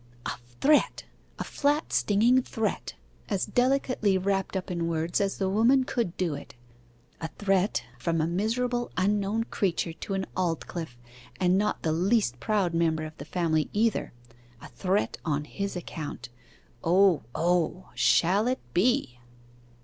'A threat a flat stinging threat! as delicately wrapped up in words as the woman could do it; a threat from a miserable unknown creature to an Aldclyffe, and not the least proud member of the family either! A threat on his account O, O! shall it be?